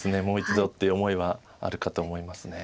もう一度っていう思いはあるかと思います。